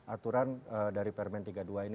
aturan dari permen tiga puluh dua ini